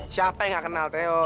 siapa yang gak kenal theo